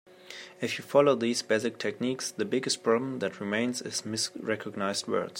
If you follow these basic techniques, the biggest problem that remains is misrecognized words.